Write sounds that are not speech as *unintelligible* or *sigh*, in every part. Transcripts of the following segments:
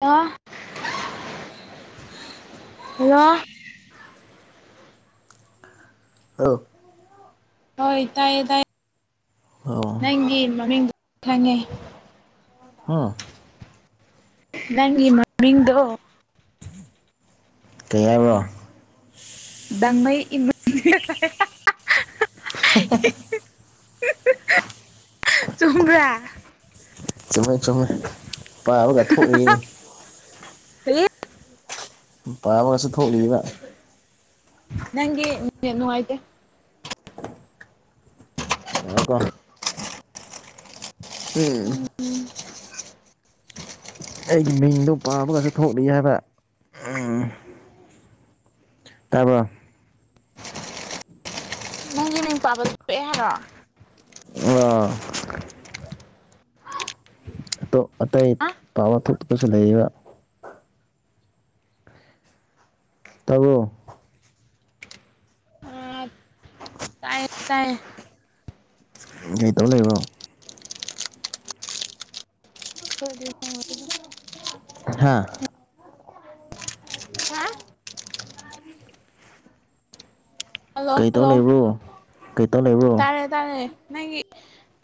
hello hello ꯑꯧ ꯍꯣꯏ ꯇꯥꯏꯌꯦ ꯇꯥꯏꯌꯦ ꯑꯣ ꯅꯪꯒꯤ ꯃꯃꯤꯡꯗꯣ ꯈꯪꯉꯦ ꯍꯥ ꯅꯪꯒꯤ ꯃꯃꯤꯡꯗꯣ ꯀꯩ ꯍꯥꯢꯕ꯭ꯔꯣ ꯗꯥꯡꯃꯩ ꯏꯃꯩ *unintelligible* ꯆꯨꯝꯕꯔꯥ ꯆꯨꯝꯃꯦ ꯆꯨꯝꯃꯦ ꯄꯥꯕꯒ ꯊꯣꯛꯂꯦ ꯍ *unintelligible* ꯄꯥꯕꯒꯁꯨ ꯊꯣꯛꯂꯤꯕ ꯅꯪꯒꯦ ꯅꯦꯠ ꯅꯨꯡꯉꯥꯢꯇꯦ ꯉꯥꯢꯌꯨꯒꯣ ꯎꯝ ꯑꯩꯒꯤ ꯃꯤꯡꯗꯣ ꯄꯥꯕꯒꯁꯨ ꯊꯣꯛꯂꯤ ꯍꯥꯏꯕ ꯎꯝ ꯇꯥꯕ꯭ꯔꯣ ꯅꯪꯒꯤ ꯃꯤꯡ ꯄꯥꯕ ꯊꯣꯛꯑꯦ ꯍꯥꯏꯔꯣ ꯑꯣ ꯑꯇꯣꯞ ꯑꯇꯩ ꯍꯥ ꯄꯥꯕ ꯊꯣꯛꯇꯄꯁꯨ ꯂꯩꯌꯦꯕ ꯇꯥꯕ꯭ꯔꯣ ꯑꯥ ꯇꯥꯏꯌꯦ ꯇꯥꯏꯌꯦ ꯀꯔꯤ ꯇꯧ ꯂꯩꯕ꯭ꯔꯣ ꯍ *unintelligible* ꯍꯥꯥ ꯍꯥ ꯍꯜꯂꯣ ꯀꯩꯇꯧ ꯂꯩꯕ꯭ꯔꯣ ꯀꯩꯇꯧ ꯂꯩꯕ꯭ꯔꯣ ꯍꯥꯏ ꯇꯔꯦ ꯅꯪꯒꯤ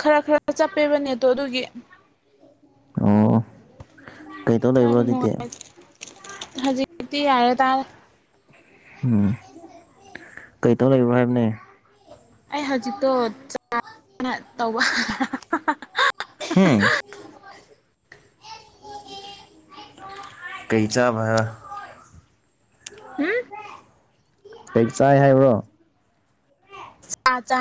ꯈꯔ ꯈꯔ ꯆꯠꯄꯦꯕꯅꯦꯠꯇꯣ ꯑꯗꯨꯒꯤ ꯑꯣ ꯀꯩ ꯇꯧ ꯂꯩꯕ꯭ꯔꯣ ꯍꯧꯖꯤꯛꯇꯤ ꯀꯅꯨꯡꯉ ꯍꯧꯖꯤꯗꯤꯤ ꯌꯥ ꯇꯥ ꯎꯝ ꯀꯩꯇꯧ ꯂꯩꯕ꯭ꯔꯣ ꯍꯥꯏꯕꯅꯦ ꯑꯩ ꯍꯧꯖꯤꯛꯇꯣ ꯆꯅ ꯇꯧꯕ ꯎꯝ ꯀꯩꯆꯥ ꯃ ꯎꯝ ꯦꯛ ꯆꯥꯏ ꯍꯥꯏꯕ꯭ꯔꯣ ꯆꯥꯖ